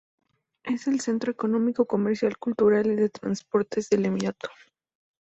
Es el centro económico, comercial, cultural y de transportes del emirato.